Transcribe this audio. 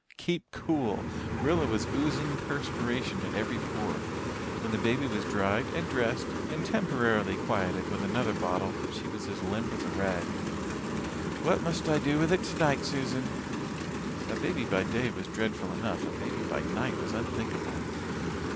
Keep cool! Rilla was oozing perspiration at every pore. When the baby was dried and dressed and temporarily quieted with another bottle she was as limp as a rag. "What must I do with it tonight, Susan?" A baby by day was dreadful enough; a baby by night was unthinkable.